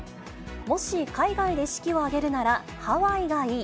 もし海外で式を挙げるなら、ハワイがいい。